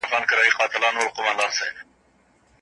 ايا الله تعالی مؤمنان له بدو عملونو منع کړل؟